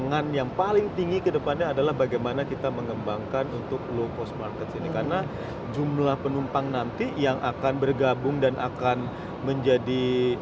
dan yang paling tinggi kedepannya adalah bagaimana kita mengembangkan untuk low cost market ini karena jumlah penumpang nanti yang akan bergabung dan akan menjadi